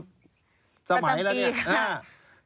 ประจำปีครับประจำสมัยแล้วนี่